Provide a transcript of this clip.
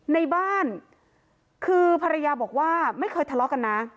ในบ้านคือภรรยาบอกว่าไม่เคยทะเลาะกันนะ